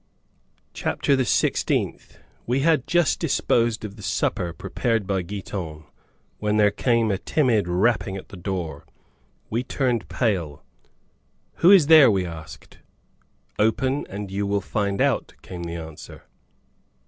CHAPTER THE SIXTEENTH. We had just disposed of the supper prepared by Giton, when there came a timid rapping at the door. We turned pale. "Who is there?" we asked. "Open and you will find out," came the answer.